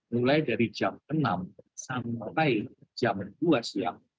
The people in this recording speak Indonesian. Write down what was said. mulai dari jam enam sampai jam dua siang